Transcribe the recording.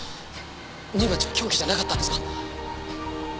乳鉢は凶器じゃなかったんですか！？